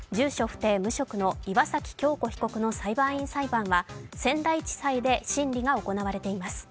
不定・無職の岩崎恭子被告の裁判員裁判は仙台地裁で審理が行われています。